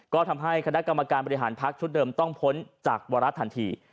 ก็ทำให้คณะกรรมการบริหารพักชุดเดิมต้องพ้นจากวาระทันที